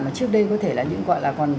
mà trước đây có thể là những gọi là còn